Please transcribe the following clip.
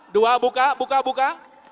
dua buka buka buka